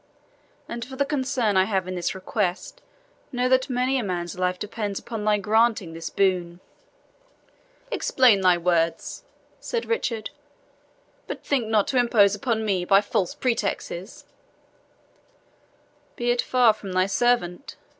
And for the concern I have in this request, know that many a man's life depends upon thy granting this boon." "Explain thy words," said Richard; "but think not to impose upon me by false pretexts." "Be it far from thy servant!"